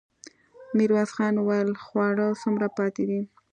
ميرويس خان وويل: خواړه څومره پاتې دي؟